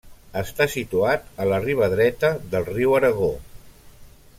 Està situat en la riba dreta del Riu Aragó.